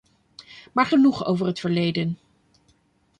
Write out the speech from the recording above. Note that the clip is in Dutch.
Maar genoeg over het verleden.